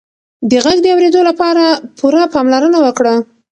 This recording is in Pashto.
د غږ د اورېدو لپاره پوره پاملرنه وکړه.